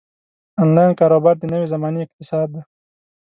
انلاین کاروبار د نوې زمانې اقتصاد دی.